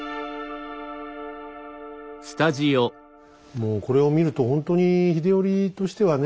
もうこれを見るとほんとに秀頼としてはね